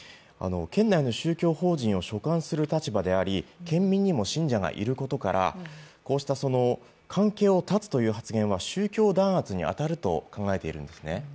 県内の宗教法人を所管する立場であり、県民にも信者がいることからこうした関係を断つという発言は宗教弾圧に当たると考えているんですね。